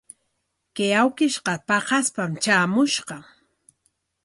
Kay awkishqa paqaspam traamushqa.